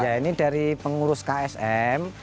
ya ini dari pengurus ksm